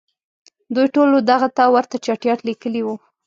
دوی ټولو دغه ته ورته چټیاټ لیکلي وو.